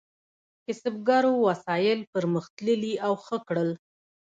کسبګرو وسایل پرمختللي او ښه کړل.